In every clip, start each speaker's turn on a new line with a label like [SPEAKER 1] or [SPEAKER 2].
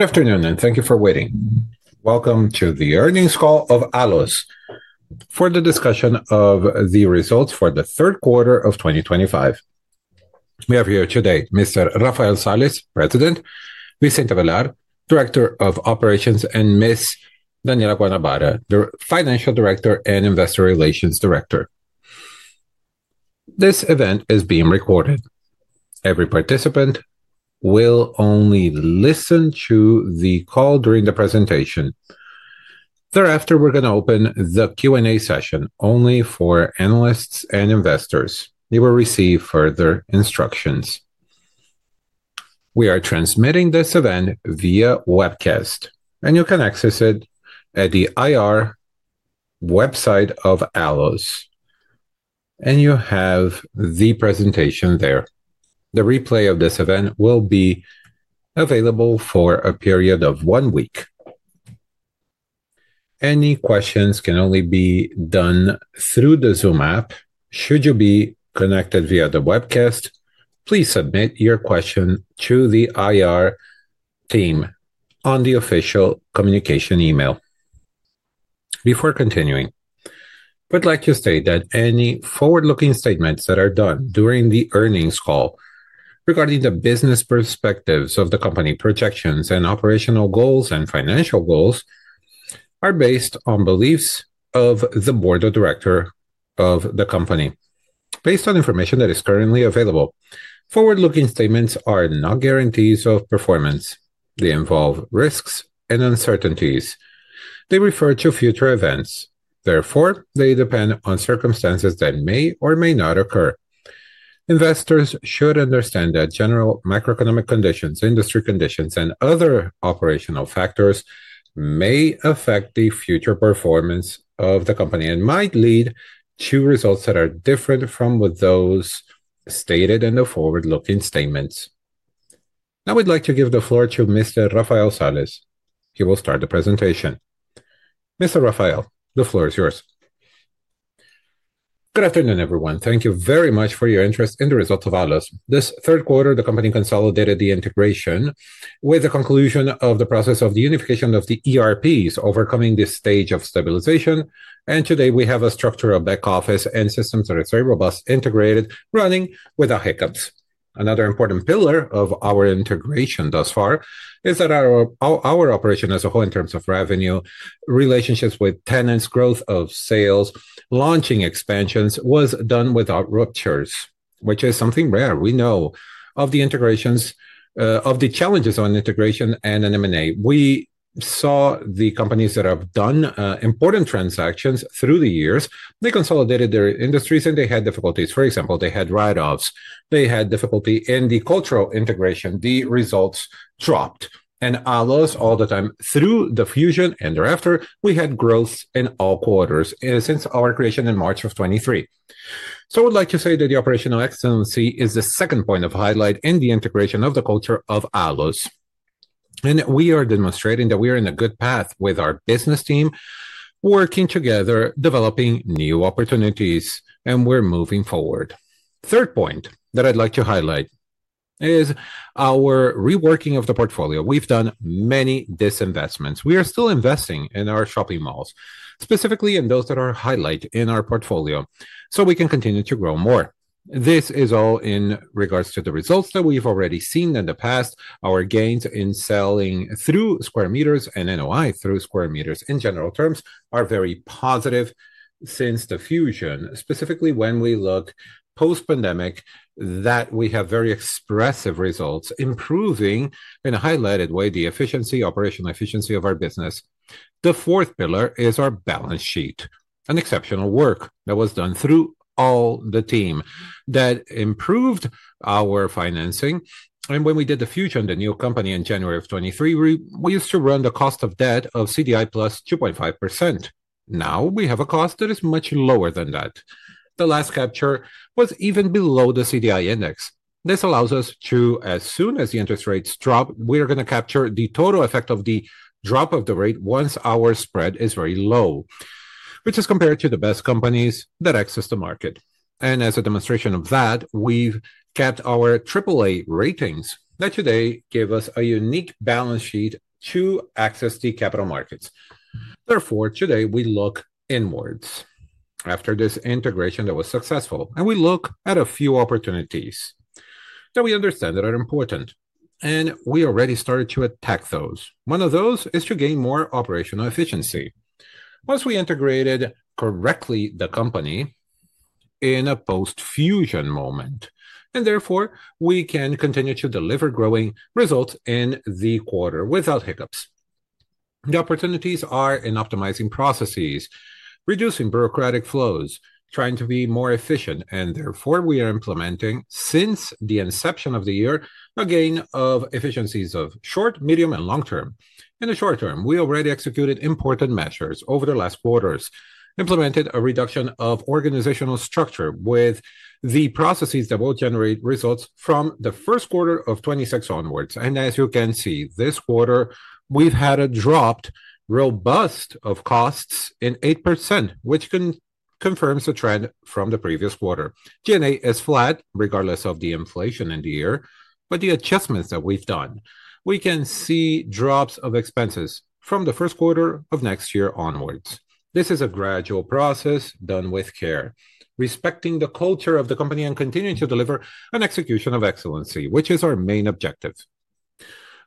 [SPEAKER 1] Good afternoon, and thank you for waiting. Welcome to the earnings call of Allos for the discussion of the results for the third quarter of 2025. We have here today Mr. Rafael Sales, President; Vicente Avellar, Director of Operations; and Ms. Daniella Guanabara, Financial Director and Investor Relations Director. This event is being recorded. Every participant will only listen to the call during the presentation. Thereafter, we're going to open the Q&A session only for analysts and investors. You will receive further instructions. We are transmitting this event via webcast, and you can access it at the IR website of Allos. You have the presentation there. The replay of this event will be available for a period of one week. Any questions can only be done through the Zoom app. Should you be connected via the webcast, please submit your question to the IR team on the official communication email. Before continuing, we'd like to state that any forward-looking statements that are done during the earnings call regarding the business perspectives of the company, projections, and operational goals, and financial goals are based on beliefs of the Board of Directors of the company. Based on information that is currently available, forward-looking statements are not guarantees of performance. They involve risks and uncertainties. They refer to future events. Therefore, they depend on circumstances that may or may not occur. Investors should understand that general macroeconomic conditions, industry conditions, and other operational factors may affect the future performance of the company and might lead to results that are different from those stated in the forward-looking statements. Now, we'd like to give the floor to Mr. Rafael Sales. He will start the presentation. Mr. Rafael, the floor is yours.
[SPEAKER 2] Good afternoon, everyone. Thank you very much for your interest in the results of Allos. This third quarter, the company consolidated the integration with the conclusion of the process of the unification of the ERPs, overcoming this stage of stabilization. Today, we have a structural back office and systems that are very robust, integrated, running without hiccups. Another important pillar of our integration thus far is that our operation as a whole in terms of revenue, relationships with tenants, growth of sales, and launching expansions was done without ruptures, which is something rare. We know of the challenges on integration and an M&A. We saw the companies that have done important transactions through the years. They consolidated their industries, and they had difficulties. For example, they had write-offs. They had difficulty in the cultural integration. The results dropped. Allos, all the time through the fusion and thereafter, we had growth in all quarters since our creation in March of 2023. I would like to say that the operational excellency is the second point of highlight in the integration of the culture of Allos. We are demonstrating that we are in a good path with our business team, working together, developing new opportunities, and we're moving forward. The third point that I'd like to highlight is our reworking of the portfolio. We've done many disinvestments. We are still investing in our shopping malls, specifically in those that are highlighted in our portfolio, so we can continue to grow more. This is all in regards to the results that we've already seen in the past. Our gains in selling through square meters and NOI through square meters in general terms are very positive since the fusion. Specifically, when we look post-pandemic, we have very expressive results, improving in a highlighted way the efficiency, operational efficiency of our business. The fourth pillar is our balance sheet, an exceptional work that was done through all the team that improved our financing. When we did the fusion of the new company in January of 2023, we used to run the cost of debt of CDI +2.5%. Now, we have a cost that is much lower than that. The last capture was even below the CDI index. This allows us to, as soon as the interest rates drop, we are going to capture the total effect of the drop of the rate once our spread is very low, which is compared to the best companies that access the market. As a demonstration of that, we've kept our triple-A ratings that today give us a unique balance sheet to access the capital markets. Therefore, today, we look inwards after this integration that was successful, and we look at a few opportunities that we understand that are important, and we already started to attack those. One of those is to gain more operational efficiency once we integrated correctly the company in a post-fusion moment. Therefore, we can continue to deliver growing results in the quarter without hiccups. The opportunities are in optimizing processes, reducing bureaucratic flows, trying to be more efficient. Therefore, we are implementing, since the inception of the year, a gain of efficiencies of short, medium, and long term. In the short term, we already executed important measures over the last quarters, implemented a reduction of organizational structure with the processes that will generate results from the first quarter of 2026 onwards. As you can see, this quarter, we've had a robust drop of costs in 8%, which confirms the trend from the previous quarter. G&A is flat regardless of the inflation in the year, but the adjustments that we've done, we can see drops of expenses from the first quarter of next year onwards. This is a gradual process done with care, respecting the culture of the company, and continuing to deliver an execution of excellency, which is our main objective.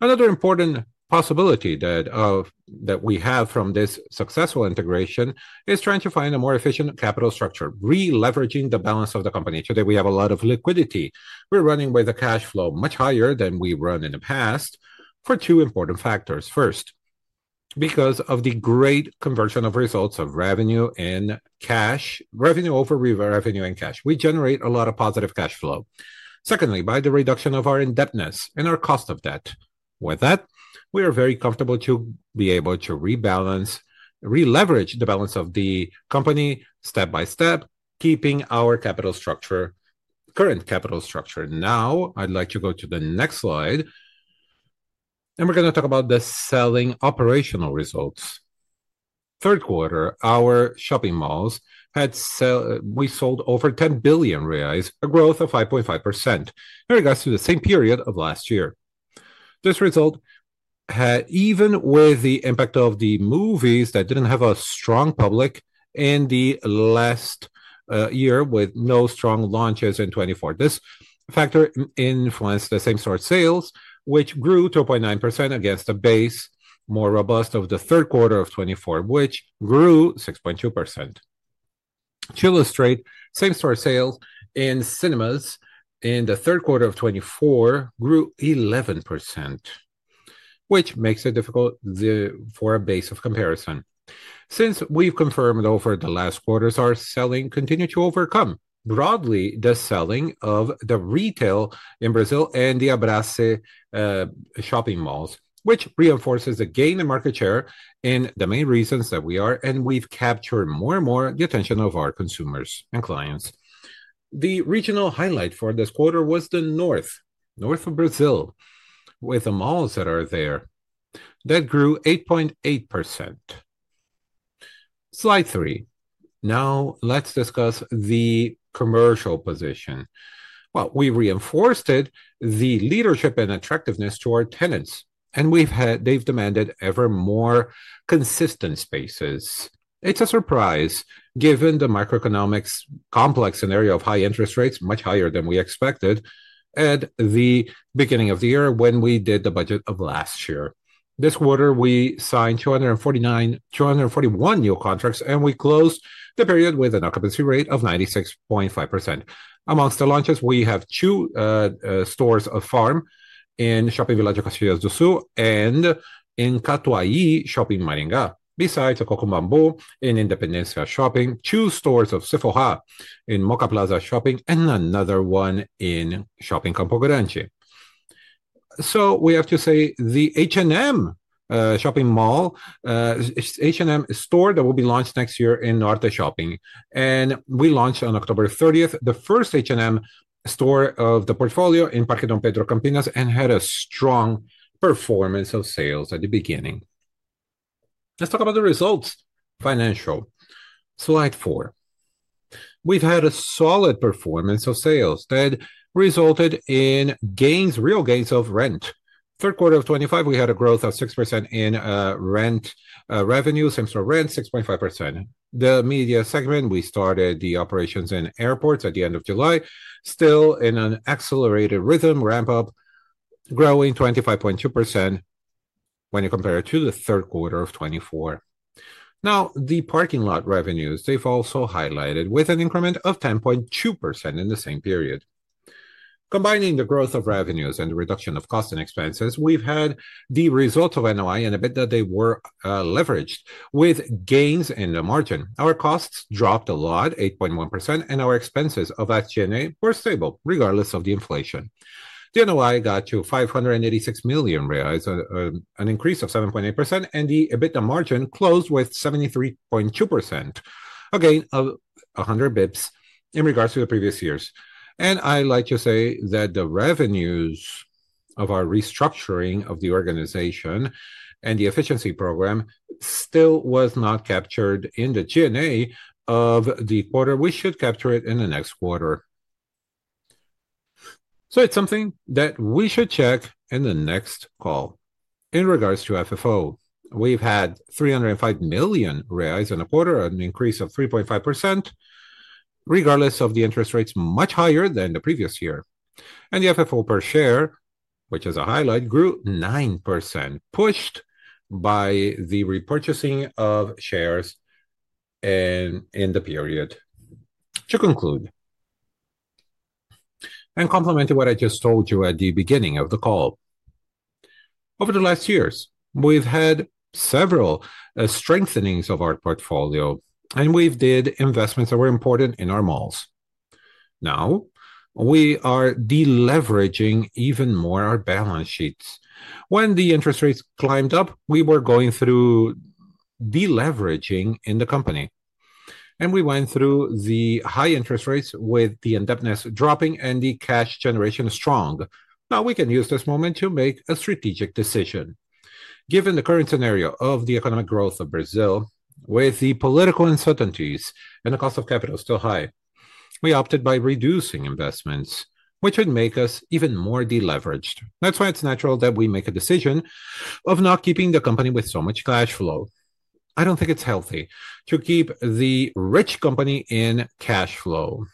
[SPEAKER 2] Another important possibility that we have from this successful integration is trying to find a more efficient capital structure, re-leveraging the balance of the company. Today, we have a lot of liquidity. We're running with a cash flow much higher than we've run in the past for two important factors. First, because of the great conversion of results of revenue in cash, revenue over revenue in cash, we generate a lot of positive cash flow. Secondly, by the reduction of our indebtedness and our cost of debt. With that, we are very comfortable to be able to rebalance, re-leverage the balance of the company step by step, keeping our current capital structure. Now, I'd like to go to the next slide, and we're going to talk about the selling operational results. Third quarter, our shopping malls had sold over 10 billion reais, a growth of 5.5% in regards to the same period of last year. This result, even with the impact of the movies that did not have a strong public in the last year with no strong launches in 2024, this factor influenced the same store sales, which grew 2.9% against a base more robust of the third quarter of 2024, which grew 6.2%. To illustrate, same store sales in cinemas in the third quarter of 2024 grew 11%, which makes it difficult for a base of comparison. Since we have confirmed over the last quarter, our selling continued to overcome broadly the selling of the retail in Brazil and the Abrasce shopping malls, which reinforces the gain in market share and the main reasons that we are, and we have captured more and more the attention of our consumers and clients. The regional highlight for this quarter was the North, North of Brazil, with the malls that are there that grew 8.8%. Slide three. Now, let's discuss the commercial position. We reinforced the leadership and attractiveness to our tenants, and they've demanded ever more consistent spaces. It's a surprise given the macroeconomics complex scenario of high interest rates, much higher than we expected at the beginning of the year when we did the budget of last year. This quarter, we signed 241 new contracts, and we closed the period with an occupancy rate of 96.5%. Amongst the launches, we have two stores of Farm in Shopping Villagio of Caxias do Sul and in Catuaí Shopping Maringá. Besides a Coco Bambu, Independência Shopping, two stores of Sephora in Mooca Plaza Shopping, and another one in Shopping Campo Grande. We have to say the H&M store that will be launched next year in Norte Shopping. We launched on October 30th the first H&M store of the portfolio in Parque Dom Pedro Campinas and had a strong performance of sales at the beginning. Let's talk about the results. Financial. Slide four. We've had a solid performance of sales that resulted in real gains of rent. Third quarter of 2025, we had a growth of 6% in rent revenue, same store rent, 6.5%. The media segment, we started the operations in airports at the end of July, still in an accelerated rhythm, ramp up, growing 25.2% when you compare it to the third quarter of 2024. Now, the parking lot revenues, they've also highlighted with an increment of 10.2% in the same period. Combining the growth of revenues and the reduction of costs and expenses, we've had the result of NOI and EBITDA that they were leveraged with gains in the margin. Our costs dropped a lot, 8.1%, and our expenses of FG&A were stable regardless of the inflation. The NOI got to 586 million reais, an increase of 7.8%, and the EBITDA margin closed with 73.2%, again, 100 basis points in regards to the previous years. I like to say that the revenues of our restructuring of the organization and the efficiency program still was not captured in the G&A of the quarter. We should capture it in the next quarter. It is something that we should check in the next call. In regards to FFO, we have had 305 million reais in a quarter, an increase of 3.5%, regardless of the interest rates much higher than the previous year. The FFO per share, which is a highlight, grew 9%, pushed by the repurchasing of shares in the period. To conclude and complementing what I just told you at the beginning of the call, over the last years, we've had several strengthenings of our portfolio, and we've did investments that were important in our malls. Now, we are deleveraging even more our balance sheets. When the interest rates climbed up, we were going through deleveraging in the company. We went through the high interest rates with the indebtedness dropping and the cash generation strong. Now, we can use this moment to make a strategic decision. Given the current scenario of the economic growth of Brazil, with the political uncertainties and the cost of capital still high, we opted by reducing investments, which would make us even more deleveraged. That's why it's natural that we make a decision of not keeping the company with so much cash flow. I don't think it's healthy to keep the rich company in cash flow.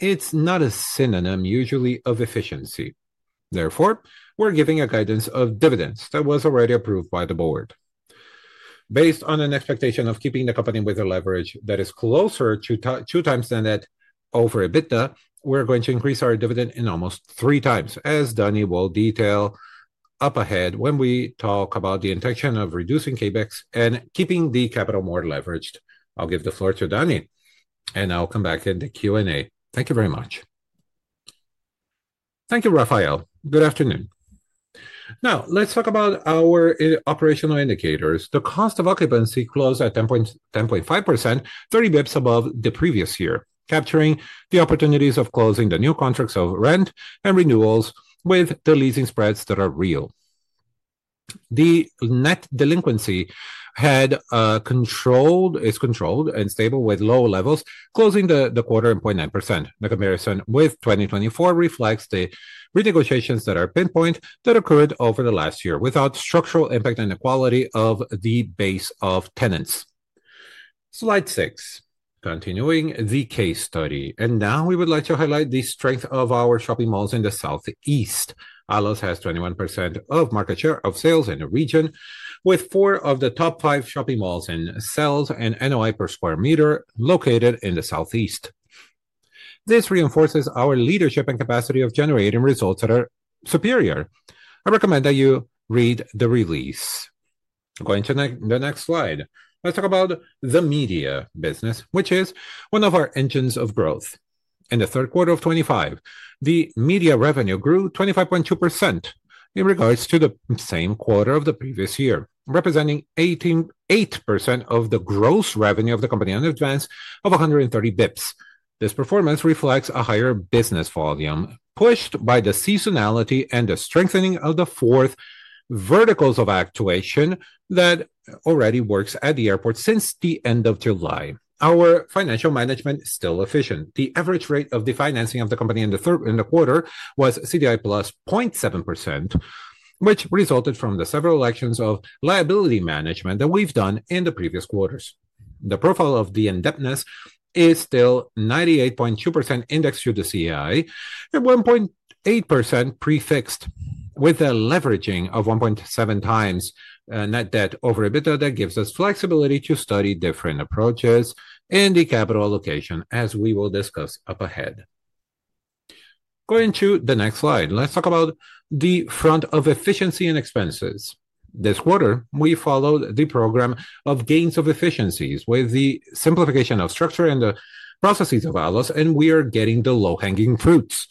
[SPEAKER 2] It's not a synonym usually of efficiency. Therefore, we're giving a guidance of dividends that was already approved by the board. Based on an expectation of keeping the company with a leverage that is closer to 2x than that over EBITDA, we're going to increase our dividend in almost 3x, as Dani will detail up ahead when we talk about the intention of reducing paybacks and keeping the capital more leveraged. I'll give the floor to Dani, and I'll come back in the Q&A. Thank you very much.
[SPEAKER 3] Thank you, Rafael. Good afternoon. Now, let's talk about our operational indicators. The cost of occupancy closed at 10.5%, 30 basis points above the previous year, capturing the opportunities of closing the new contracts of rent and renewals with the leasing spreads that are real. The net delinquency is controlled and stable with low levels, closing the quarter at 0.9%. The comparison with 2024 reflects the renegotiations that are pinpoint that occurred over the last year without structural impact and the quality of the base of tenants. Slide six, continuing the case study. Now, we would like to highlight the strength of our shopping malls in the Southeast. Allos has 21% of market share of sales in the region, with four of the top five shopping malls in sales and NOI per square meter located in the Southeast. This reinforces our leadership and capacity of generating results that are superior. I recommend that you read the release. Going to the next slide, let's talk about the media business, which is one of our engines of growth. In the third quarter of 2025, the media revenue grew 25.2% in regards to the same quarter of the previous year, representing 8% of the gross revenue of the company in advance of 130 basis points. This performance reflects a higher business volume pushed by the seasonality and the strengthening of the fourth verticals of actuation that already works at the airport since the end of July. Our financial management is still efficient. The average rate of the financing of the company in the third quarter was CDI +0.7%, which resulted from the several elections of liability management that we've done in the previous quarters. The profile of the indebtedness is still 98.2% indexed to the CDI and 1.8% prefixed with a leveraging of 1.7x net debt over EBITDA that gives us flexibility to study different approaches and the capital allocation, as we will discuss up ahead. Going to the next slide, let's talk about the front of efficiency and expenses. This quarter, we followed the program of gains of efficiencies with the simplification of structure and the processes of Allos, and we are getting the low-hanging fruits.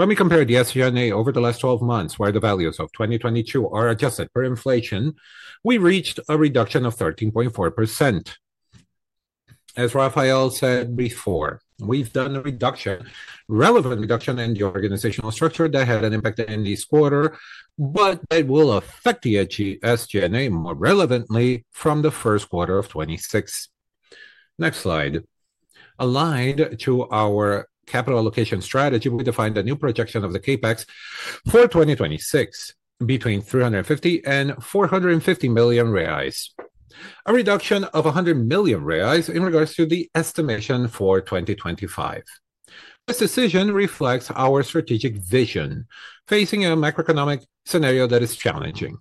[SPEAKER 3] When we compare the SG&A over the last 12 months, where the values of 2022 are adjusted for inflation, we reached a reduction of 13.4%. As Rafael said before, we've done a reduction, relevant reduction in the organizational structure that had an impact in this quarter, but that will affect the SG&A more relevantly from the first quarter of 2026. Next slide. Aligned to our capital allocation strategy, we defined a new projection of the CapEx for 2026 between 350 million and 450 million reais, a reduction of 100 million reais in regards to the estimation for 2025. This decision reflects our strategic vision facing a macroeconomic scenario that is challenging.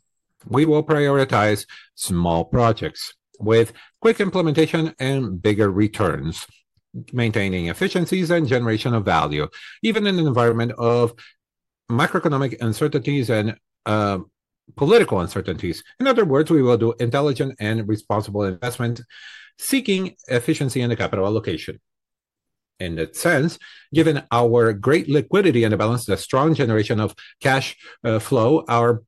[SPEAKER 3] We will prioritize small projects with quick implementation and bigger returns, maintaining efficiencies and generation of value, even in an environment of macroeconomic uncertainties and political uncertainties. In other words, we will do intelligent and responsible investment seeking efficiency in the capital allocation. In that sense, given our great liquidity and the balance, the strong generation of cash flow, our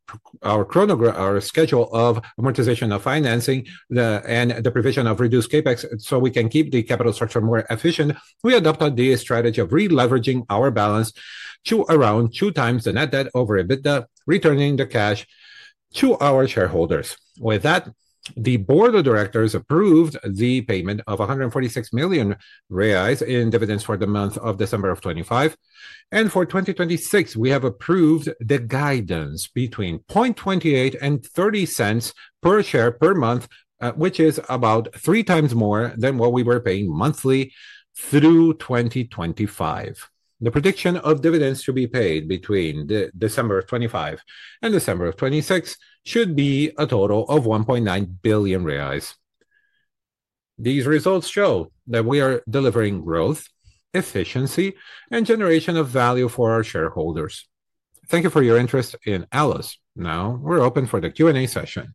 [SPEAKER 3] schedule of amortization of financing and the provision of reduced CapEx so we can keep the capital structure more efficient, we adopted the strategy of re-leveraging our balance to around 2x the net debt over EBITDA, returning the cash to our shareholders. With that, the board of directors approved the payment of 146 million reais in dividends for the month of December of 2025. For 2026, we have approved the guidance between 0.28 and 0.30 per share per month, which is about 3x more than what we were paying monthly through 2025. The prediction of dividends to be paid between December of 2025 and December of 2026 should be a total of 1.9 billion reais. These results show that we are delivering growth, efficiency, and generation of value for our shareholders. Thank you for your interest in Allos. Now, we're open for the Q&A session.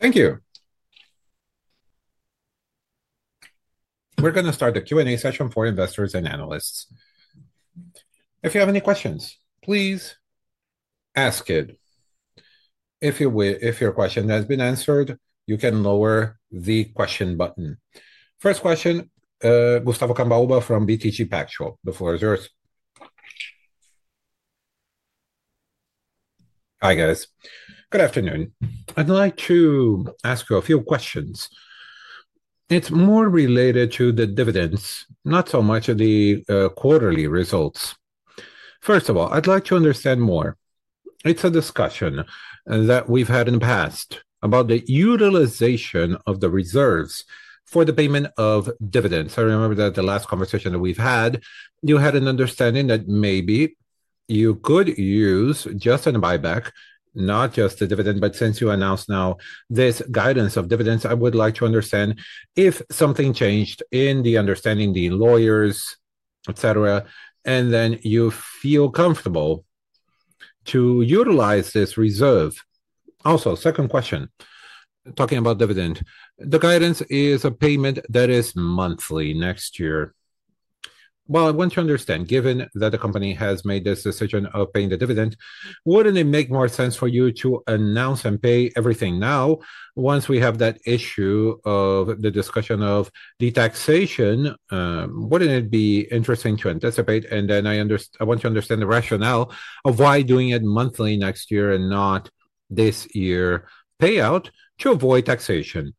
[SPEAKER 1] Thank you. We're going to start the Q&A session for investors and analysts. If you have any questions, please ask it. If your question has been answered, you can lower the question button. First question, Gustavo Cambaúba from BTG Pactual. The floor is yours.
[SPEAKER 4] Hi, guys. Good afternoon. I'd like to ask you a few questions. It's more related to the dividends, not so much of the quarterly results. First of all, I'd like to understand more. It's a discussion that we've had in the past about the utilization of the reserves for the payment of dividends. I remember that the last conversation that we've had, you had an understanding that maybe you could use just a buyback, not just the dividend. Since you announced now this guidance of dividends, I would like to understand if something changed in the understanding, the lawyers, etc., and then you feel comfortable to utilize this reserve. Also, second question, talking about dividend, the guidance is a payment that is monthly next year. I want to understand, given that the company has made this decision of paying the dividend, wouldn't it make more sense for you to announce and pay everything now? Once we have that issue of the discussion of the taxation, would not it be interesting to anticipate? I want to understand the rationale of why doing it monthly next year and not this year payout to avoid taxation.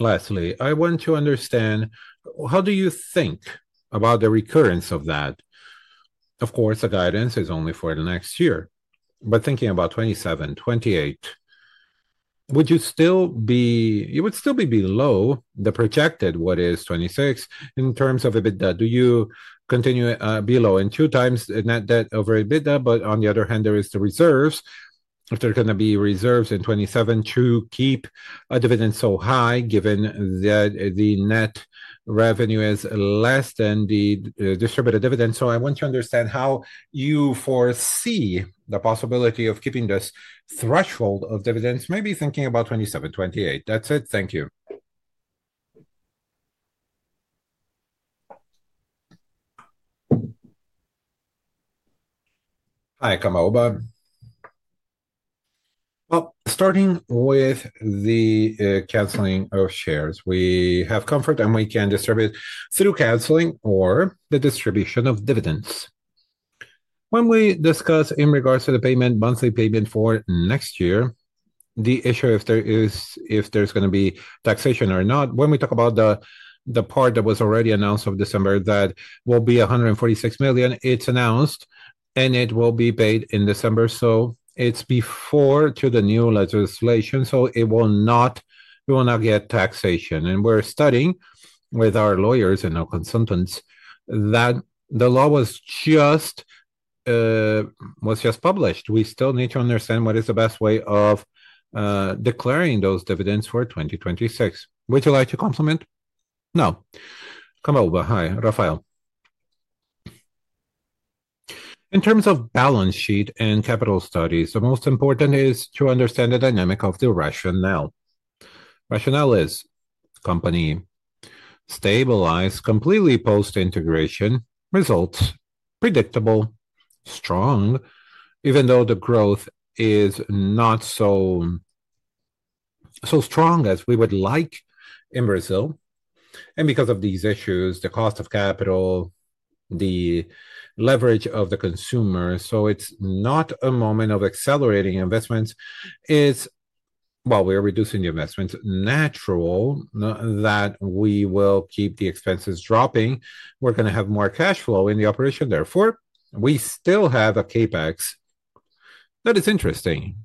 [SPEAKER 4] Lastly, I want to understand, how do you think about the recurrence of that? Of course, the guidance is only for the next year. Thinking about 2027, 2028, would you still be below the projected, what is 2026, in terms of EBITDA? Do you continue below in 2x net debt over EBITDA? On the other hand, there are the reserves. If there are going to be reserves in 2027 to keep a dividend so high, given that the net revenue is less than the distributed dividend. I want to understand how you foresee the possibility of keeping this threshold of dividends, maybe thinking about 2027, 2028. That's it. Thank you.
[SPEAKER 3] Hi, Cambaúba. Starting with the canceling of shares, we have comfort and we can distribute through canceling or the distribution of dividends. When we discuss in regards to the payment, monthly payment for next year, the issue is if there's going to be taxation or not. When we talk about the part that was already announced of December that will be 146 million, it's announced and it will be paid in December. It is before the new legislation, so we will not get taxation. We're studying with our lawyers and our consultants, as the law was just published. We still need to understand what is the best way of declaring those dividends for 2026. Would you like to complement?
[SPEAKER 2] No. Cambaúba, hi. Rafael. In terms of balance sheet and capital studies, the most important is to understand the dynamic of the rationale. Rationale is company stabilized completely post-integration, results predictable, strong, even though the growth is not so strong as we would like in Brazil. Because of these issues, the cost of capital, the leverage of the consumer, it is not a moment of accelerating investments. We are reducing the investments. Natural that we will keep the expenses dropping. We are going to have more cash flow in the operation. Therefore, we still have a CapEx that is interesting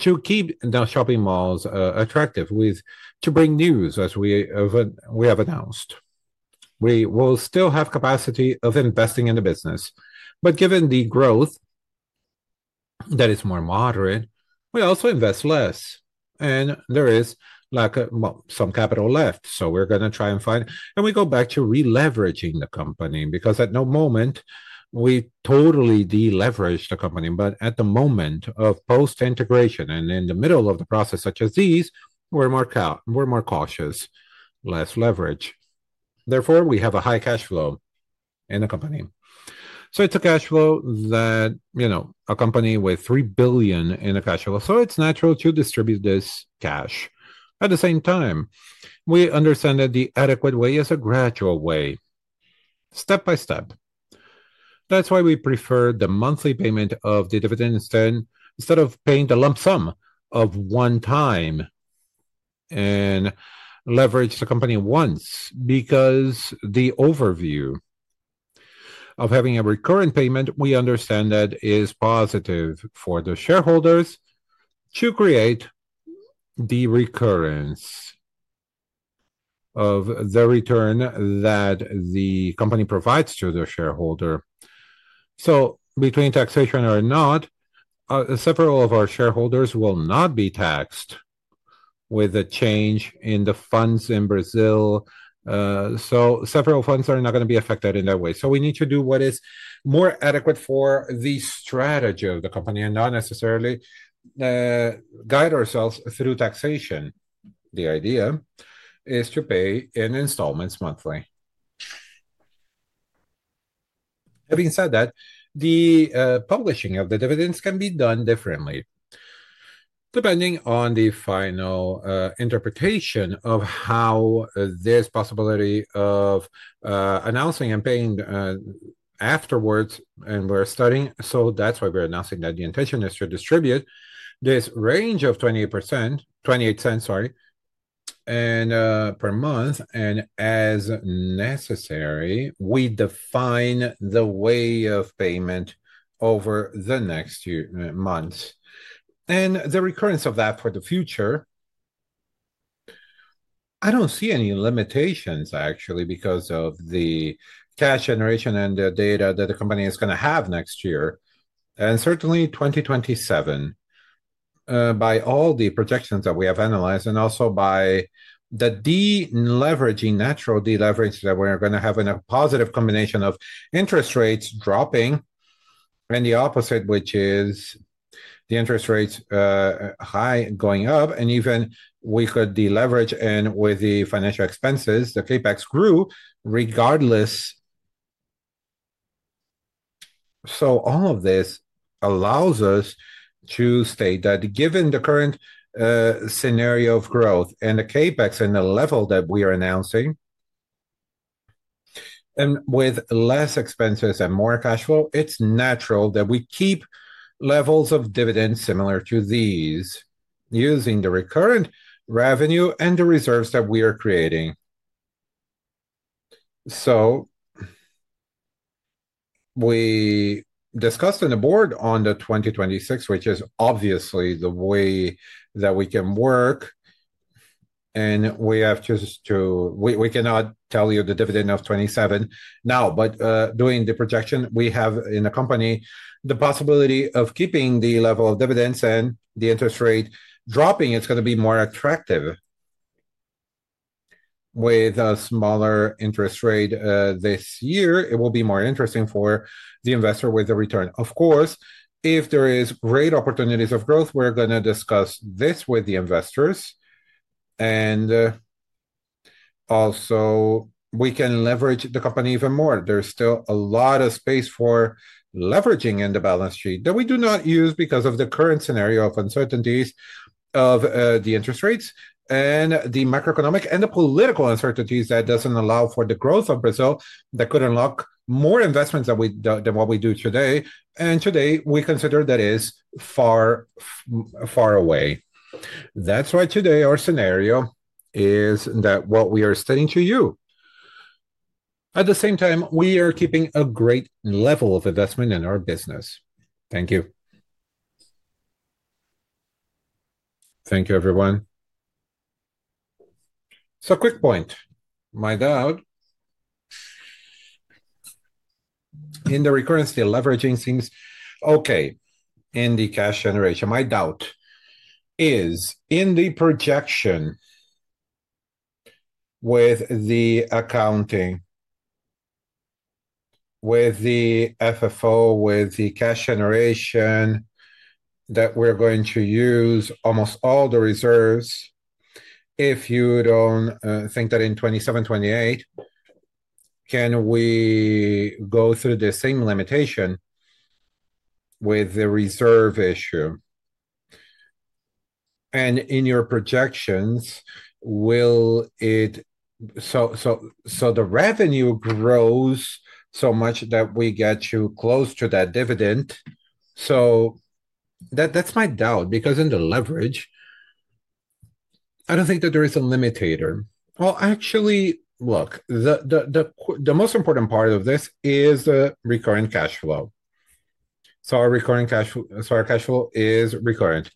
[SPEAKER 2] to keep the shopping malls attractive to bring news as we have announced. We will still have capacity of investing in the business. Given the growth that is more moderate, we also invest less. There is lack of some capital left. We are going to try and find and we go back to releveraging the company because at no moment we totally deleveraged the company. At the moment of post-integration and in the middle of the process such as these, we are more cautious, less leverage. Therefore, we have a high cash flow in the company. It is a cash flow that a company with 3 billion in a cash flow. It is natural to distribute this cash. At the same time, we understand that the adequate way is a gradual way, step by step. That's why we prefer the monthly payment of the dividends then instead of paying the lump sum of one time and leverage the company once because the overview of having a recurrent payment, we understand that is positive for the shareholders to create the recurrence of the return that the company provides to the shareholder. Between taxation or not, several of our shareholders will not be taxed with a change in the funds in Brazil. Several funds are not going to be affected in that way. We need to do what is more adequate for the strategy of the company and not necessarily guide ourselves through taxation. The idea is to pay in installments monthly. Having said that, the publishing of the dividends can be done differently depending on the final interpretation of how there's possibility of announcing and paying afterwards. We're studying. That is why we're announcing that the intention is to distribute this range of 0.28, sorry, per month. As necessary, we define the way of payment over the next month. The recurrence of that for the future, I do not see any limitations, actually, because of the cash generation and the data that the company is going to have next year. Certainly, 2027, by all the projections that we have analyzed and also by the deleveraging, natural deleverage that we're going to have in a positive combination of interest rates dropping and the opposite, which is the interest rates high going up. Even we could deleverage, and with the financial expenses, the CapEx grew regardless. All of this allows us to state that given the current scenario of growth and the CapEx and the level that we are announcing, and with less expenses and more cash flow, it is natural that we keep levels of dividends similar to these using the recurrent revenue and the reserves that we are creating. We discussed in the board on the 2026, which is obviously the way that we can work. We have just to, we cannot tell you the dividend of 2027 now, but doing the projection, we have in the company the possibility of keeping the level of dividends and the interest rate dropping. It is going to be more attractive with a smaller interest rate this year. It will be more interesting for the investor with the return. Of course, if there are great opportunities of growth, we are going to discuss this with the investors. Also, we can leverage the company even more. There is still a lot of space for leveraging in the balance sheet that we do not use because of the current scenario of uncertainties of the interest rates and the macroeconomic and the political uncertainties that do not allow for the growth of Brazil that could unlock more investments than what we do today. Today, we consider that is far away. That is why today our scenario is that what we are stating to you. At the same time, we are keeping a great level of investment in our business. Thank you.
[SPEAKER 4] Thank you, everyone. Quick point. My doubt in the recurrence to leveraging seems okay in the cash generation. My doubt is in the projection with the accounting, with the FFO, with the cash generation that we are going to use almost all the reserves. If you do not think that in 2027, 2028, can we go through the same limitation with the reserve issue? In your projections, will the revenue grow so much that we get you close to that dividend? That is my doubt because in the leverage, I do not think that there is a limitator.
[SPEAKER 2] Actually, look, the most important part of this is the recurrent cash flow. Our recurrent cash flow, our cash flow is recurrent.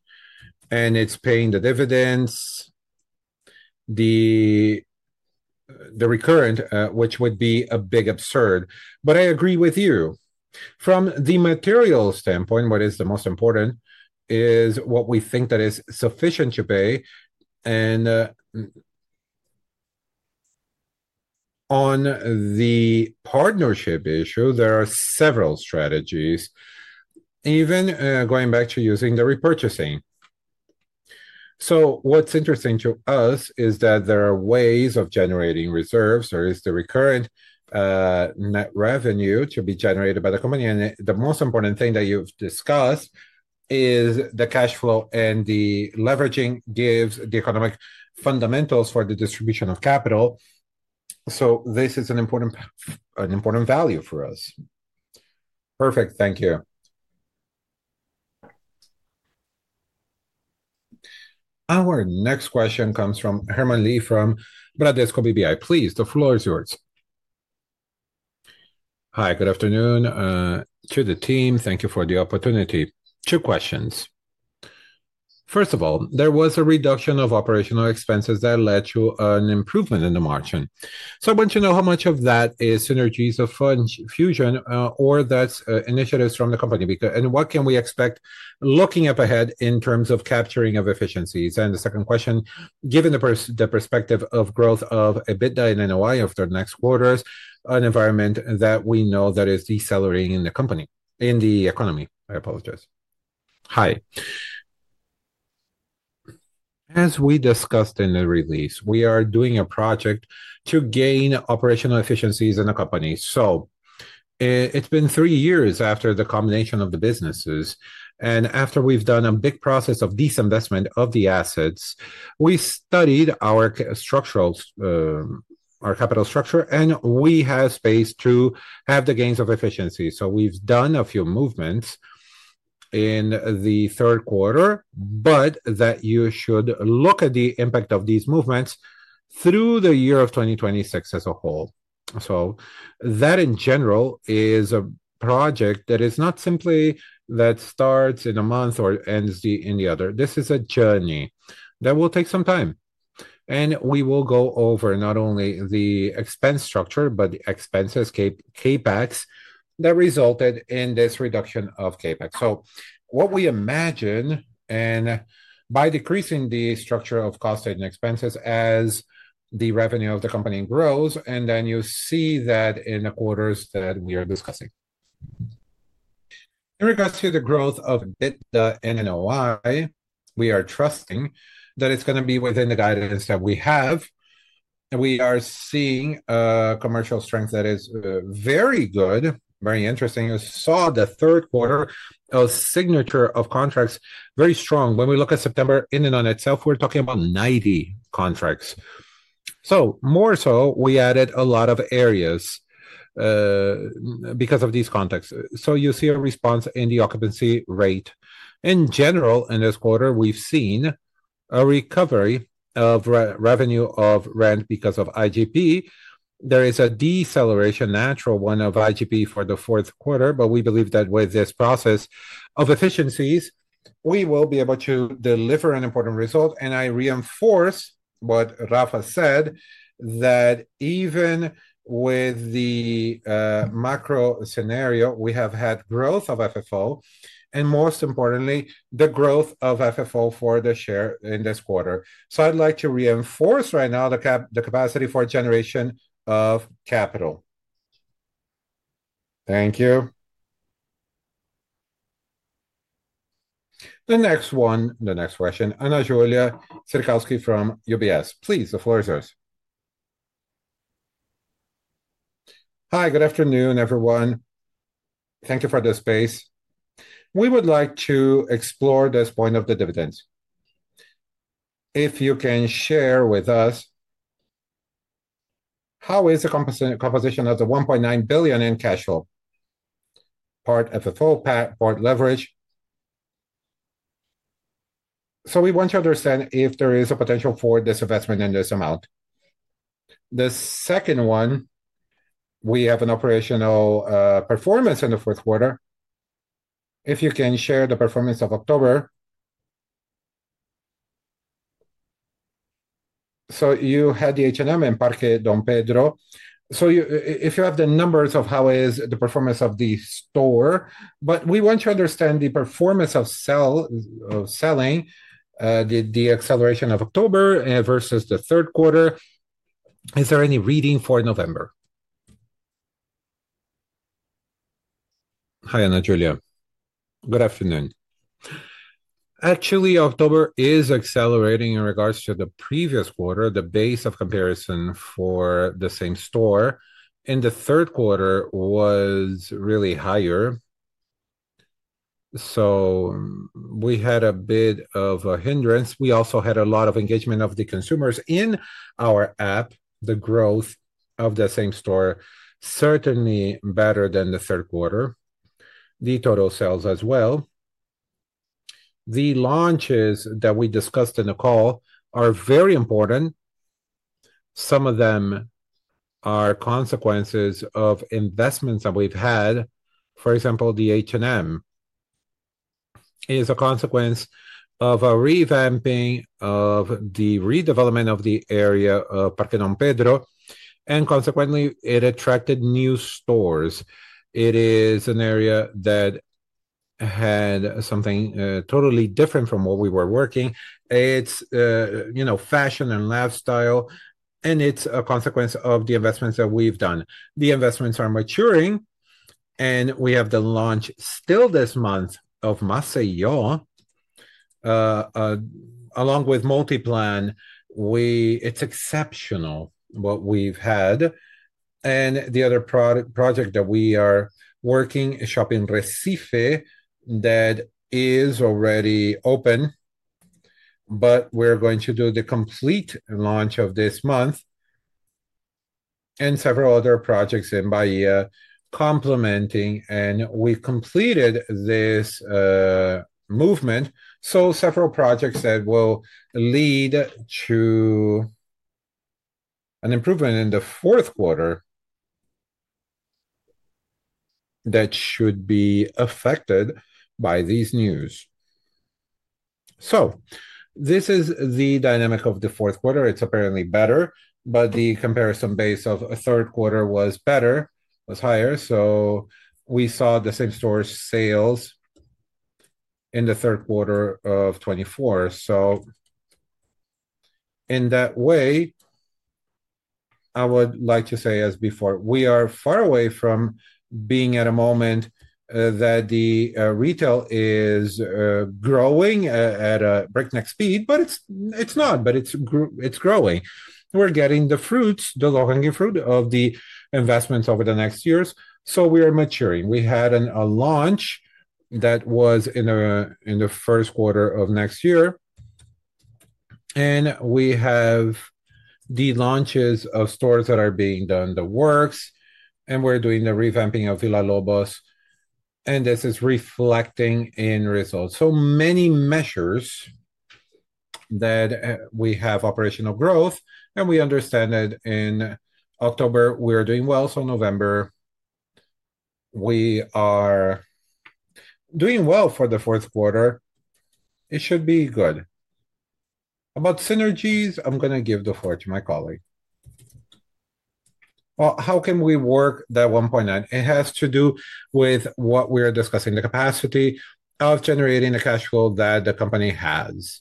[SPEAKER 2] It is paying the dividends, the recurrent, which would be a big absurd. I agree with you. From the material standpoint, what is the most important is what we think that is sufficient to pay. On the partnership issue, there are several strategies, even going back to using the repurchasing. What is interesting to us is that there are ways of generating reserves. There is the recurrent net revenue to be generated by the company. The most important thing that you've discussed is the cash flow and the leveraging gives the economic fundamentals for the distribution of capital. This is an important value for us.
[SPEAKER 4] Perfect. Thank you.
[SPEAKER 1] Our next question comes from Herman Lee from Bradesco BBI. Please, the floor is yours.
[SPEAKER 5] Hi. Good afternoon to the team. Thank you for the opportunity. Two questions. First of all, there was a reduction of operational expenses that led to an improvement in the margin. I want to know how much of that is synergies of fund fusion or that's initiatives from the company. What can we expect looking up ahead in terms of capturing of efficiencies? The second question, given the perspective of growth of EBITDA and NOI of the next quarters, an environment that we know that is decelerating in the company in the economy, I apologize.
[SPEAKER 3] Hi. As we discussed in the release, we are doing a project to gain operational efficiencies in the company. It's been three years after the combination of the businesses. After we've done a big process of disinvestment of the assets, we studied our capital structure, and we have space to have the gains of efficiency. We've done a few movements in the third quarter, but you should look at the impact of these movements through the year of 2026 as a whole. In general, it is a project that is not simply that starts in a month or ends in the other. This is a journey that will take some time. We will go over not only the expense structure, but the expenses, CapEx that resulted in this reduction of CapEx. What we imagine, and by decreasing the structure of costs and expenses as the revenue of the company grows, you see that in the quarters that we are discussing. In regards to the growth of EBITDA and NOI, we are trusting that it's going to be within the guidance that we have. We are seeing a commercial strength that is very good, very interesting. You saw the third quarter of signature of contracts very strong. When we look at September in and on itself, we're talking about 90 contracts. More so, we added a lot of areas because of these contracts. You see a response in the occupancy rate. In general, in this quarter, we've seen a recovery of revenue of rent because of IGPM. There is a deceleration, natural one of IGPM for the fourth quarter, but we believe that with this process of efficiencies, we will be able to deliver an important result. I reinforce what Rafa said, that even with the macro scenario, we have had growth of FFO and most importantly, the growth of FFO for the share in this quarter. I'd like to reinforce right now the capacity for generation of capital.
[SPEAKER 5] Thank you.
[SPEAKER 1] The next one, the next question, Ana Júlia Zerkowski from UBS. Please, the floor is yours.
[SPEAKER 6] Hi, good afternoon, everyone. Thank you for the space. We would like to explore this point of the dividends. If you can share with us how is the composition of the 1.9 billion in cash flow, part FFO, part leverage. We want to understand if there is a potential for this investment in this amount. The second one, we have an operational performance in the fourth quarter. If you can share the performance of October. You had the H&M in Parque Dom Pedro. If you have the numbers of how is the performance of the store, we want to understand the performance of selling, the acceleration of October versus the third quarter. Is there any reading for November?
[SPEAKER 2] Hi, Ana Júlia. Good afternoon. Actually, October is accelerating in regards to the previous quarter. The base of comparison for the same store in the third quarter was really higher. We had a bit of a hindrance. We also had a lot of engagement of the consumers in our app. The growth of the same store certainly better than the third quarter. The total sales as well. The launches that we discussed in the call are very important. Some of them are consequences of investments that we've had. For example, the H&M is a consequence of a revamping of the redevelopment of the area of Parque Dom Pedro. Consequently, it attracted new stores. It is an area that had something totally different from what we were working. It's fashion and lifestyle, and it's a consequence of the investments that we've done. The investments are maturing, and we have the launch still this month of Maceió, along with Multiplan. It's exceptional what we've had. The other project that we are working is Shopping Recife that is already open, but we're going to do the complete launch this month and several other projects in Bahia complementing. We completed this movement. Several projects will lead to an improvement in the fourth quarter that should be affected by these news. This is the dynamic of the fourth quarter. It's apparently better, but the comparison base of the third quarter was better, was higher. We saw the same store sales in the third quarter of 2024. In that way, I would like to say, as before, we are far away from being at a moment that the retail is growing at a breakneck speed, but it's not, but it's growing. We're getting the fruits, the long-angle fruit of the investments over the next years. We are maturing. We had a launch that was in the first quarter of next year. We have the launches of stores that are being done, the works, and we're doing the revamping of Villa-Lobos. This is reflecting in results. So many measures that we have for operational growth, and we understand that in October, we are doing well. November, we are doing well for the fourth quarter. It should be good. About synergies, I am going to give the floor to my colleague.
[SPEAKER 3] How can we work that 1.9? It has to do with what we are discussing, the capacity of generating the cash flow that the company has.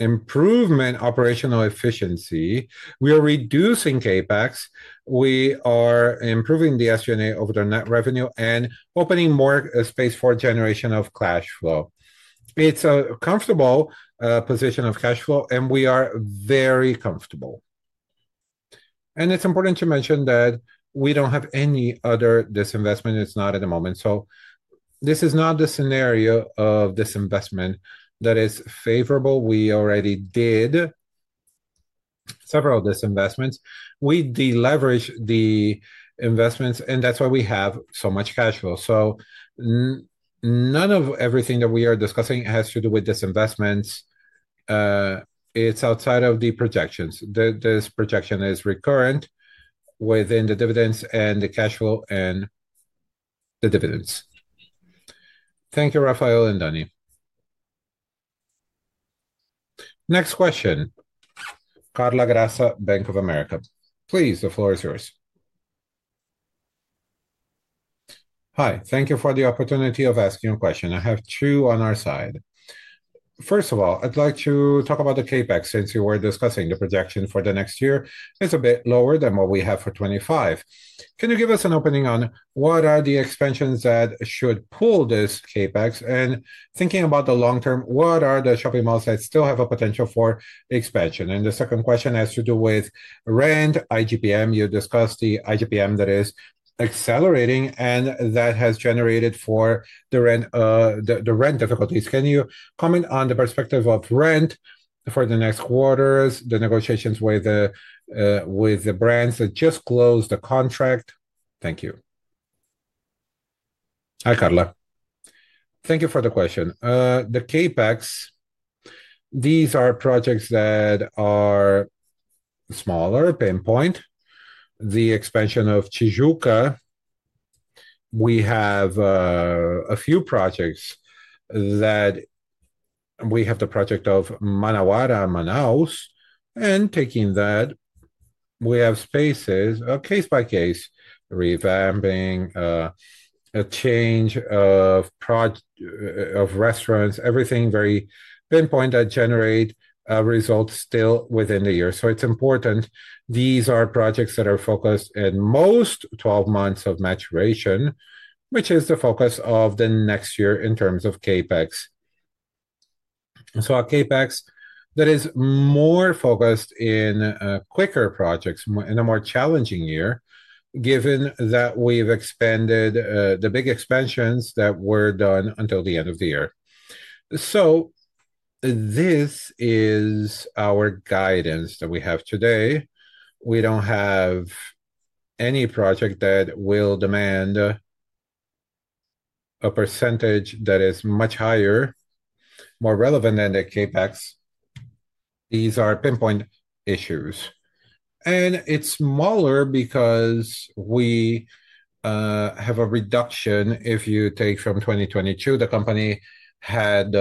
[SPEAKER 3] Improvement, operational efficiency. We are reducing CapEx. We are improving the SG&A over the net revenue and opening more space for generation of cash flow. It is a comfortable position of cash flow, and we are very comfortable. It is important to mention that we do not have any other disinvestment. It is not at the moment. This is not the scenario of disinvestment that is favorable. We already did several disinvestments. We deleveraged the investments, and that's why we have so much cash flow. None of everything that we are discussing has to do with disinvestments. It's outside of the projections. This projection is recurrent within the dividends and the cash flow and the dividends.
[SPEAKER 6] Thank you, Rafael and Dani.
[SPEAKER 1] Next question. Carla Graça of Bank of America. Please, the floor is yours.
[SPEAKER 7] Hi. Thank you for the opportunity of asking a question. I have two on our side. First of all, I'd like to talk about the CapEx since you were discussing the projection for the next year. It's a bit lower than what we have for 2025. Can you give us an opening on what are the expansions that should pull this CapEx? Thinking about the long term, what are the shopping malls that still have a potential for expansion? The second question has to do with rent, IGPM. You discussed the IGPM that is accelerating and that has generated for the rent difficulties. Can you comment on the perspective of rent for the next quarters, the negotiations with the brands that just closed the contract? Thank you.
[SPEAKER 2] Hi, Carla. Thank you for the question. The CapEx, these are projects that are smaller, pinpoint. The expansion of Tijuca, we have a few projects that we have the project of Manauara Manaus. Taking that, we have spaces, a case-by-case revamping, a change of restaurants, everything very pinpoint that generates results still within the year. It is important. These are projects that are focused in most 12 months of maturation, which is the focus of the next year in terms of CapEx. A CapEx that is more focused in quicker projects in a more challenging year, given that we've expanded the big expansions that were done until the end of the year. This is our guidance that we have today. We don't have any project that will demand a percentage that is much higher, more relevant than the CapEx. These are pinpoint issues. It's smaller because we have a reduction. If you take from 2022, the company had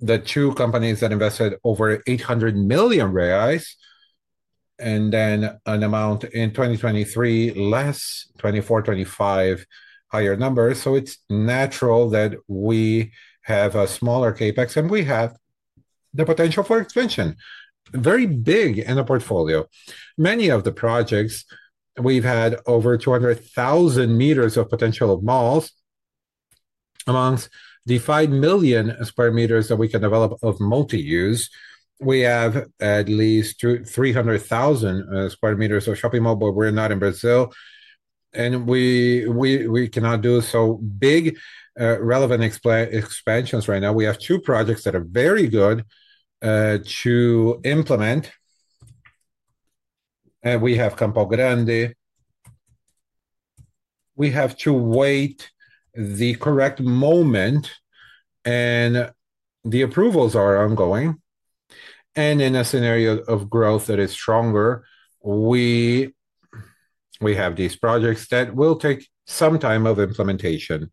[SPEAKER 2] the two companies that invested over 800 million reais, and then an amount in 2023, less, 2024, 2025, higher numbers. It's natural that we have a smaller CapEx, and we have the potential for expansion. Very big in the portfolio. Many of the projects we've had over 200,000 meters of potential of malls amongst the 5 million sq m that we can develop of multi-use. We have at least 300,000 sq m of shopping mall, but we're not in Brazil. We cannot do so big relevant expansions right now. We have two projects that are very good to implement. We have Campo Grande. We have to wait the correct moment, and the approvals are ongoing. In a scenario of growth that is stronger, we have these projects that will take some time of implementation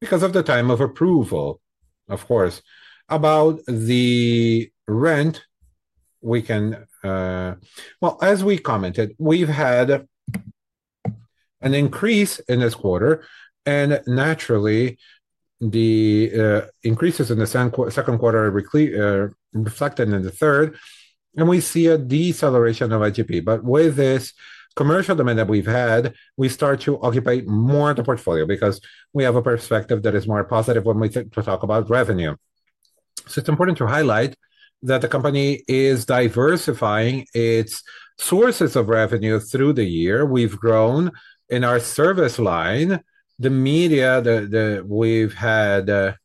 [SPEAKER 2] because of the time of approval, of course. About the rent, as we commented, we've had an increase in this quarter. Naturally, the increases in the second quarter reflected in the third. We see a deceleration of IGPM. With this commercial demand that we've had, we start to occupy more of the portfolio because we have a perspective that is more positive when we talk about revenue. It is important to highlight that the company is diversifying its sources of revenue through the year. We have grown in our service line, the media that we have had the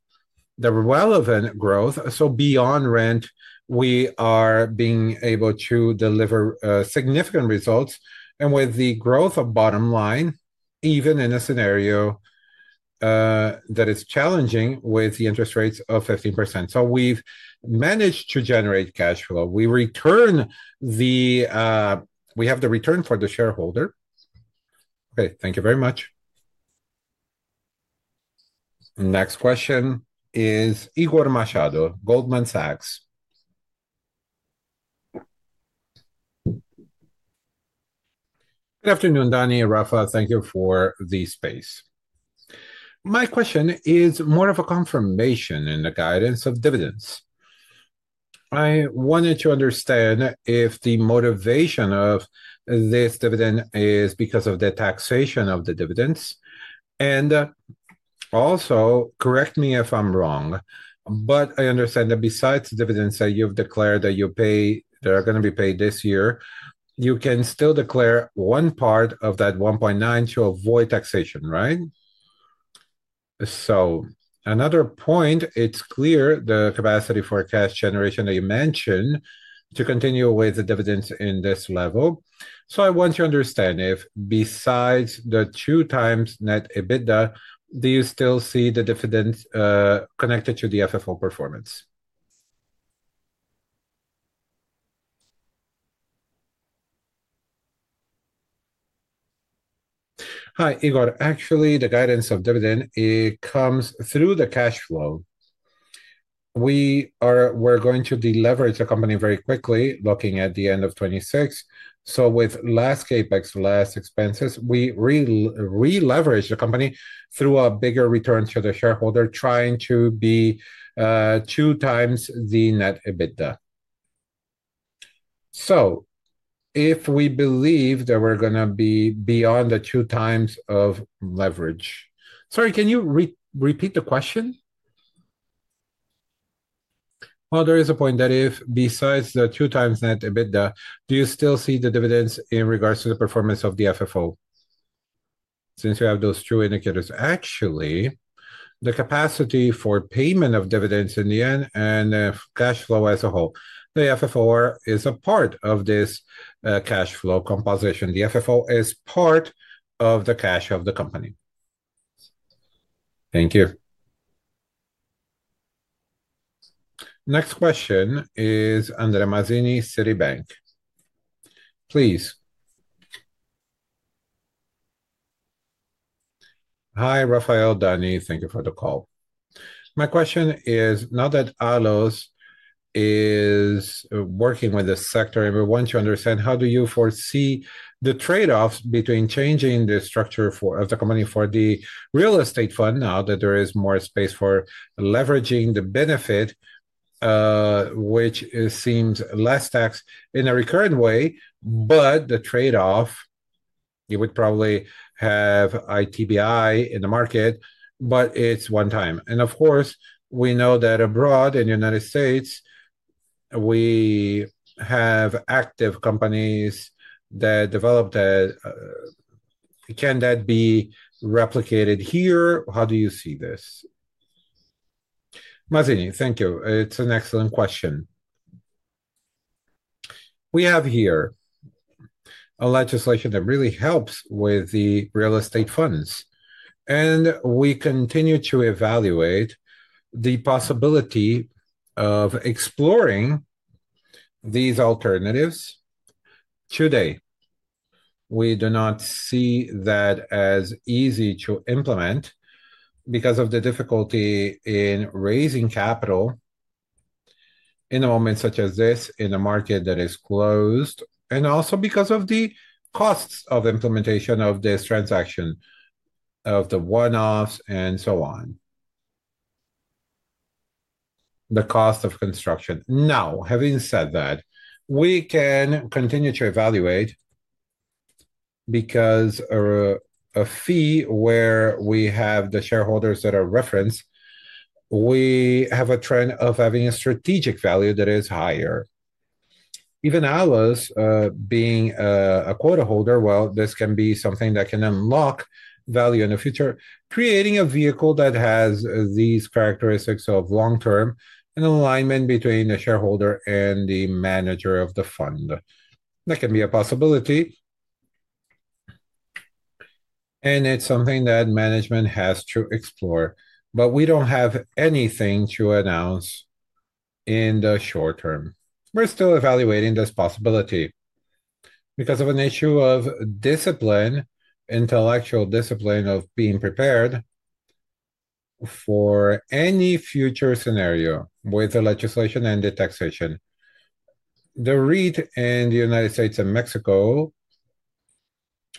[SPEAKER 2] relevant growth. Beyond rent, we are being able to deliver significant results. With the growth of bottom line, even in a scenario that is challenging with the interest rates of 15%, we have managed to generate cash flow. We have the return for the shareholder.
[SPEAKER 7] Thank you very much.
[SPEAKER 1] Next question is Igor Machado, Goldman Sachs. Good afternoon, Dani and Rafa. Thank you for the space. My question is more of a confirmation in the guidance of dividends. I wanted to understand if the motivation of this dividend is because of the taxation of the dividends. Also, correct me if I'm wrong, but I understand that besides the dividends that you've declared that you pay that are going to be paid this year, you can still declare one part of that 1.9 billion to avoid taxation, right? Another point, it's clear the capacity for cash generation that you mentioned to continue with the dividends at this level. I want to understand if besides the 2x net EBITDA, do you still see the dividends connected to the FFO performance?
[SPEAKER 2] Hi, Igor. Actually, the guidance of dividend, it comes through the cash flow. We are going to deleverage the company very quickly, looking at the end of 2026. With less CapEx, less expenses, we releverage the company through a bigger return to the shareholder, trying to be 2x the net EBITDA. If we believe that we're going to be beyond the 2x of leverage. Sorry, can you repeat the question?
[SPEAKER 8] There is a point that if besides the 2x net EBITDA, do you still see the dividends in regards to the performance of the FFO?
[SPEAKER 2] Since we have those two indicators, actually, the capacity for payment of dividends in the end and cash flow as a whole. The FFO is a part of this cash flow composition. The FFO is part of the cash of the company.
[SPEAKER 8] Thank you.
[SPEAKER 1] Next question is Andre Mazini, Citibank. Please.
[SPEAKER 9] Hi, Rafael, Dani. Thank you for the call. My question is, now that Allos is working with the sector, we want to understand how do you foresee the trade-offs between changing the structure of the company for the real estate fund now that there is more space for leveraging the benefit, which seems less tax in a recurrent way, but the trade-off, you would probably have ITBI in the market, but it is one time. Of course, we know that abroad in the United States, we have active companies that develop that. Can that be replicated here? How do you see this?
[SPEAKER 2] Mazini, thank you. It is an excellent question. We have here a legislation that really helps with the real estate funds. We continue to evaluate the possibility of exploring these alternatives today. We do not see that as easy to implement because of the difficulty in raising capital in a moment such as this in a market that is closed, and also because of the costs of implementation of this transaction, of the one-offs and so on. The cost of construction. Now, having said that, we can continue to evaluate because a fee where we have the shareholders that are referenced, we have a trend of having a strategic value that is higher. Even Allos being a quota holder, well, this can be something that can unlock value in the future, creating a vehicle that has these characteristics of long-term and alignment between the shareholder and the manager of the fund. That can be a possibility. It is something that management has to explore. We do not have anything to announce in the short term. We're still evaluating this possibility because of an issue of discipline, intellectual discipline of being prepared for any future scenario with the legislation and the taxation. The REIT in the United States and Mexico,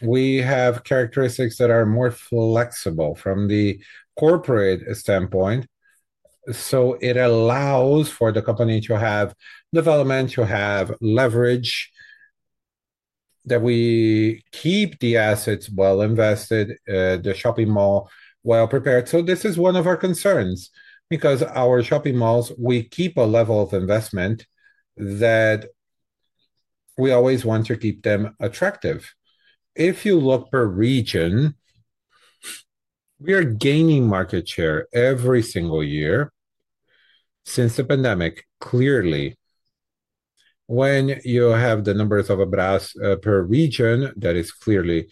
[SPEAKER 2] we have characteristics that are more flexible from the corporate standpoint. It allows for the company to have development, to have leverage, that we keep the assets well invested, the shopping mall well prepared. This is one of our concerns because our shopping malls, we keep a level of investment that we always want to keep them attractive. If you look per region, we are gaining market share every single year since the pandemic, clearly. When you have the numbers of Abrasce per region, that is clearly.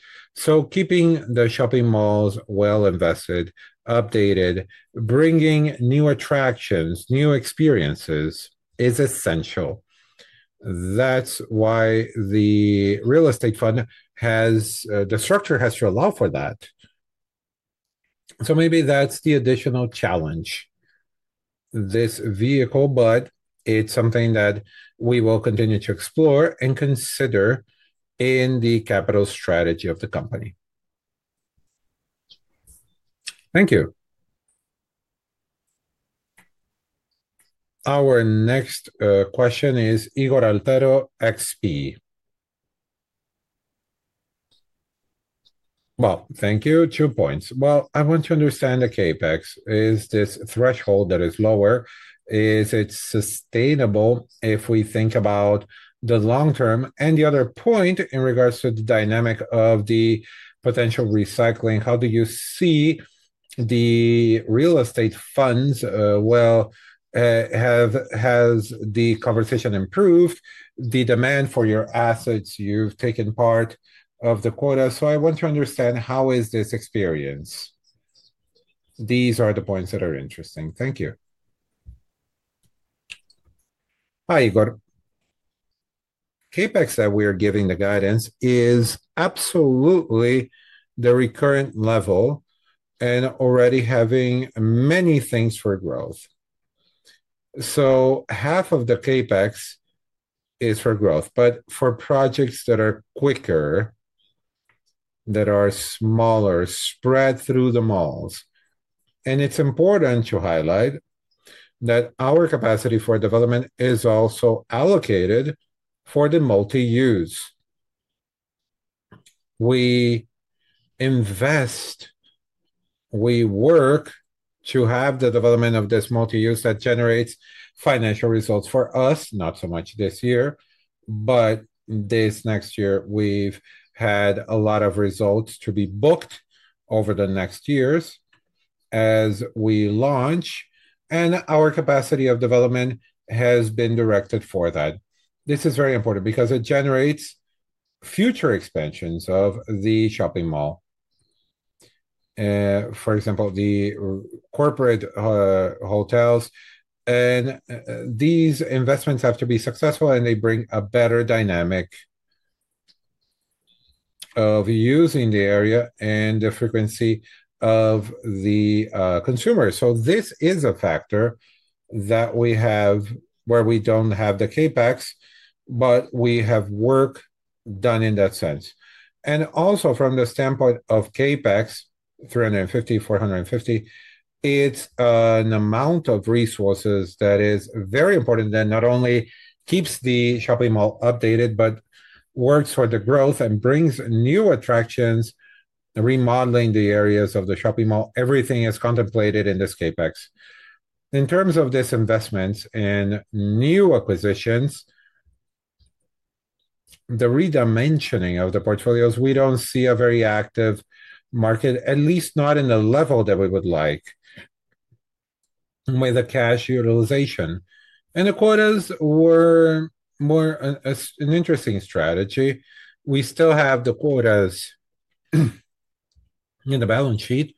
[SPEAKER 2] Keeping the shopping malls well invested, updated, bringing new attractions, new experiences is essential. That's why the real estate fund has the structure, has to allow for that. Maybe that's the additional challenge, this vehicle, but it's something that we will continue to explore and consider in the capital strategy of the company.
[SPEAKER 9] Thank you.
[SPEAKER 1] Our next question is Ygor Altero, XP.
[SPEAKER 10] Thank you. Two points. I want to understand the CapEx. Is this threshold that is lower? Is it sustainable if we think about the long term? The other point in regards to the dynamic of the potential recycling, how do you see the real estate funds? Has the conversation improved? The demand for your assets, you've taken part of the quota. I want to understand how is this experience? These are the points that are interesting. Thank you.
[SPEAKER 2] Hi, Ygor. CapEx that we are giving the guidance is absolutely the recurrent level and already having many things for growth. Half of the CapEx is for growth, but for projects that are quicker, that are smaller, spread through the malls. It is important to highlight that our capacity for development is also allocated for the multi-use. We invest, we work to have the development of this multi-use that generates financial results for us, not so much this year, but this next year, we have had a lot of results to be booked over the next years as we launch. Our capacity of development has been directed for that. This is very important because it generates future expansions of the shopping mall. For example, the corporate hotels. These investments have to be successful, and they bring a better dynamic of use in the area and the frequency of the consumers. This is a factor that we have where we do not have the CapEx, but we have work done in that sense. Also, from the standpoint of CapEx, 350 million-450 million, it is an amount of resources that is very important that not only keeps the shopping mall updated, but works for the growth and brings new attractions, remodeling the areas of the shopping mall. Everything is contemplated in this CapEx. In terms of this investment and new acquisitions, the redimensioning of the portfolios, we do not see a very active market, at least not in the level that we would like with the cash utilization. The quotas were more an interesting strategy. We still have the quotas in the balance sheet,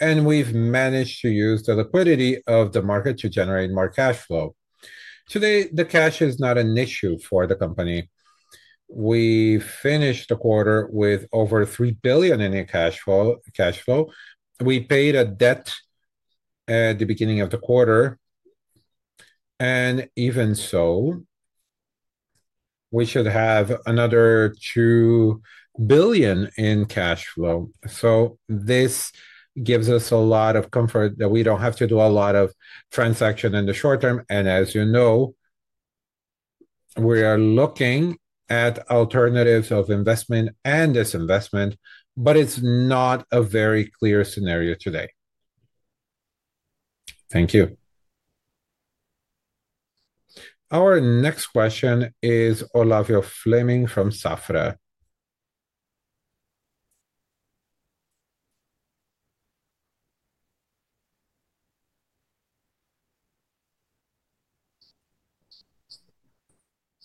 [SPEAKER 2] and we have managed to use the liquidity of the market to generate more cash flow. Today, the cash is not an issue for the company. We finished the quarter with over 3 billion in cash flow. We paid a debt at the beginning of the quarter. Even so, we should have another 2 billion in cash flow. This gives us a lot of comfort that we do not have to do a lot of transaction in the short term. As you know, we are looking at alternatives of investment and disinvestment, but it is not a very clear scenario today.
[SPEAKER 10] Thank you.
[SPEAKER 1] Our next question is Olavo Fleming from Safra.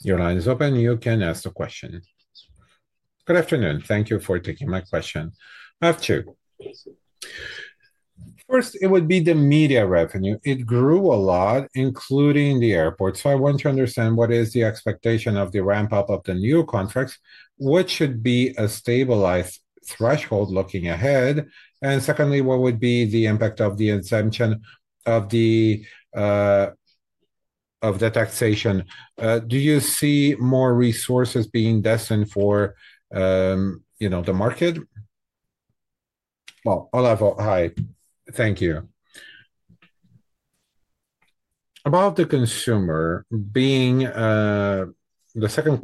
[SPEAKER 1] Your line is open. You can ask the question.
[SPEAKER 11] Good afternoon. Thank you for taking my question. I have two. First, it would be the media revenue. It grew a lot, including the airport. I want to understand what is the expectation of the ramp-up of the new contracts, what should be a stabilized threshold looking ahead. What would be the impact of the exemption of the taxation? Do you see more resources being destined for the market?
[SPEAKER 2] Olavo, hi. Thank you. About the consumer being the second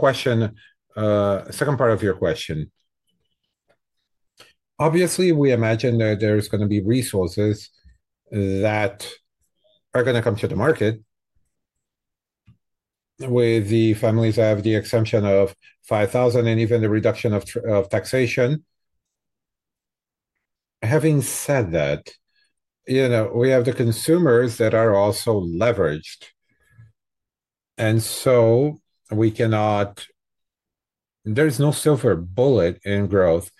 [SPEAKER 2] part of your question. Obviously, we imagine that there is going to be resources that are going to come to the market with the families that have the exemption of 5,000 and even the reduction of taxation. Having said that, we have the consumers that are also leveraged. There is no silver bullet in growth.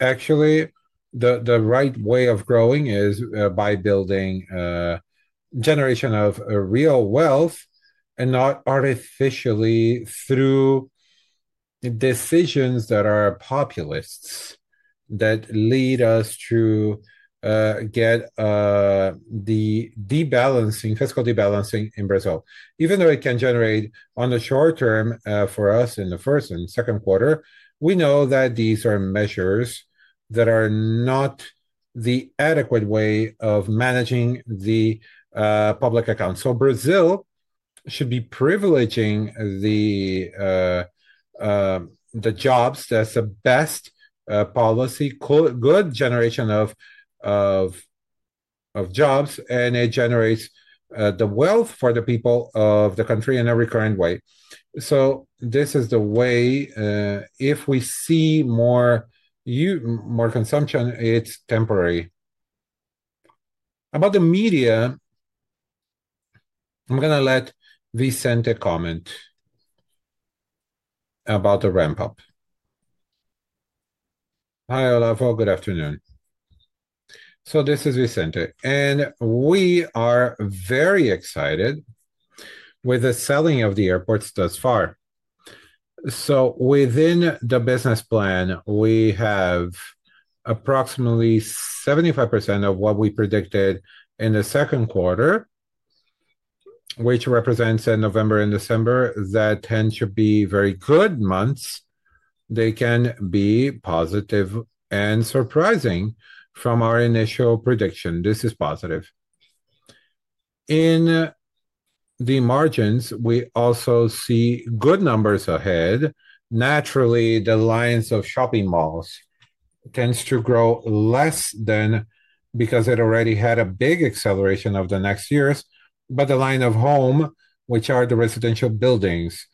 [SPEAKER 2] Actually, the right way of growing is by building a generation of real wealth and not artificially through decisions that are populists that lead us to get the fiscal debalancing in Brazil. Even though it can generate on the short term for us in the first and second quarter, we know that these are measures that are not the adequate way of managing the public accounts. Brazil should be privileging the jobs, that is the best policy, good generation of jobs, and it generates the wealth for the people of the country in a recurrent way. This is the way if we see more consumption, it is temporary. About the media, I am going to let Vicente comment about the ramp-up.
[SPEAKER 12] Hi, Olavio. Good afternoon. This is Vicente. We are very excited with the selling of the airports thus far. Within the business plan, we have approximately 75% of what we predicted in the second quarter, which represents November and December. That tends to be very good months. They can be positive and surprising from our initial prediction. This is positive. In the margins, we also see good numbers ahead. Naturally, the lines of shopping malls tend to grow less than because it already had a big acceleration of the next years. However, the line of home, which are the residential buildings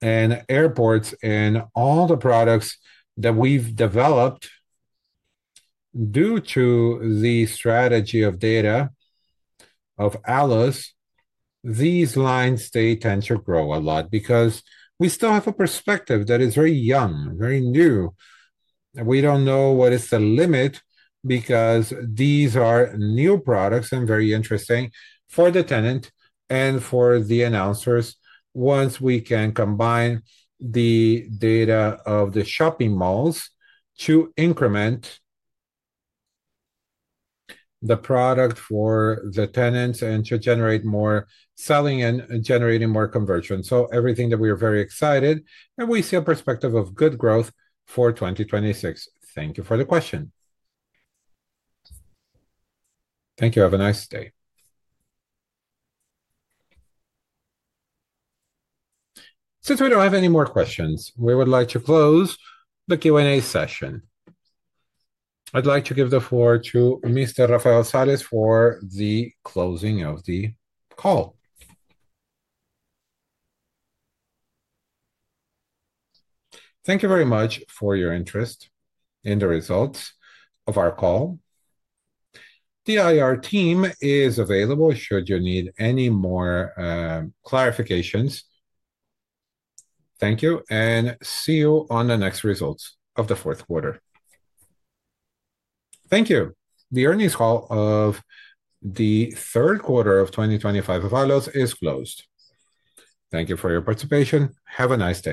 [SPEAKER 12] and airports and all the products that we've developed due to the strategy of data of Allos, these lines tend to grow a lot because we still have a perspective that is very young, very new. We do not know what is the limit because these are new products and very interesting for the tenant and for the announcers once we can combine the data of the shopping malls to increment the product for the tenants and to generate more selling and generating more conversion. Everything that we are very excited, and we see a perspective of good growth for 2026. Thank you for the question.
[SPEAKER 11] Thank you. Have a nice day.
[SPEAKER 1] Since we do not have any more questions, we would like to close the Q&A session. I would like to give the floor to Mr. Rafael Sales for the closing of the call.
[SPEAKER 2] Thank you very much for your interest in the results of our call. The IR team is available should you need any more clarifications. Thank you. See you on the next results of the fourth quarter.
[SPEAKER 1] Thank you. The earnings call of the third quarter of 2025 of Allos is closed. Thank you for your participation. Have a nice day.